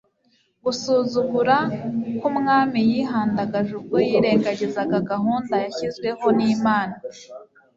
Gusuzugura kumwami yihandagaje ubwo yirengagizaga gahunda zashyizweho nImana